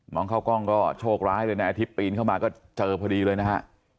เข้ากล้องก็โชคร้ายเลยในอาทิตย์ปีนเข้ามาก็เจอพอดีเลยนะฮะ